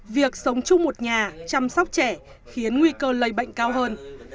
việc sống chung một nhà chăm sóc trẻ khiến nguy cơ lây bệnh cao hơn